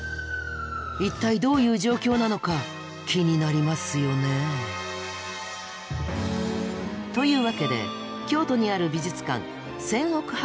一体どういう状況なのか気になりますよね？というわけで京都にある美術館泉屋博